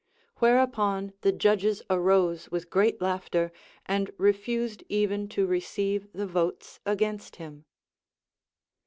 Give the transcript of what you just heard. Whereupon the judges arose with great laughter, and refused even to receive the votes against him.